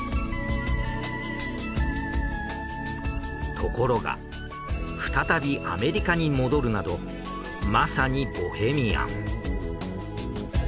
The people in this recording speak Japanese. ところが再びアメリカに戻るなどまさにボヘミアン。